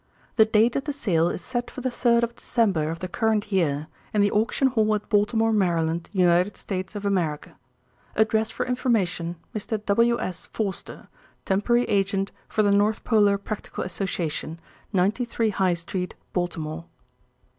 The date of the sale is set for the 3d of December of the current year, in the Auction Hall at Baltimore, Maryland, United States of America. "Address for information Mr. W.S. Forster, Temporary Agent for the North Polar Practical Association, 93 High Street, Baltimore."